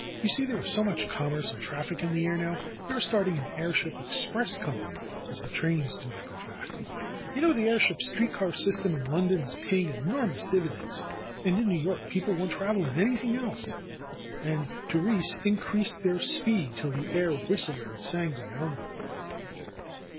You see, there is so much commerce and traffic in the air now. They are starting an airship express company, as the trains do not go fast enough. You know the airship street car system in London is paying enormous divi 14 THE ROSE COLORED WORLD dends, and in New York people won't travel in anything else." And Therese increased their speed till the air whistled and sang around them.